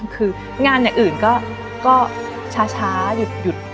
คืองานอย่างอื่นก็ช้าหยุด